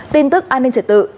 tin tức an ninh trở tự